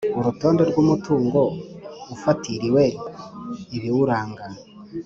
Urutonde rw umutungo ufatiriwe ibiwuranga